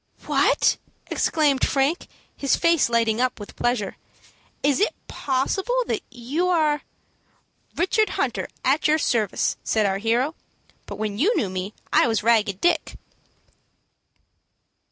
"What!" exclaimed Frank, his face lighting up with pleasure, "is it possible that you are " "Richard Hunter, at your service," said our hero; "but when you knew me I was Ragged Dick."